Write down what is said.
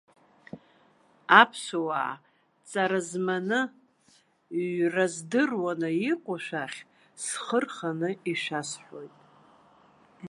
Аԥсуаа ҵара зманы, ҩра здыруаны иҟоу шәахь схы рханы ишәасҳәоит…